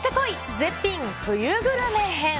絶品冬グルメ編。